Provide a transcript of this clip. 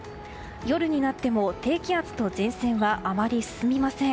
夜になっても低気圧と前線はあまり進みません。